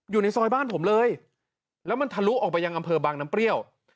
อยู่ในซอยบ้านผมเลยแล้วมันทะลุออกไปยังอำเภอบางน้ำเปรี้ยว